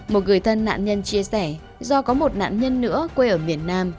một người thân nạn nhân chia sẻ do có một nạn nhân nữa quê ở miền nam